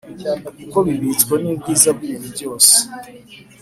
kuko bibitswe n’ubwiza bw’ibintu byose